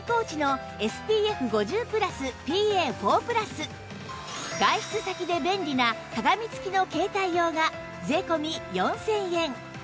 しかも外出先で便利な鏡つきの携帯用が税込４０００円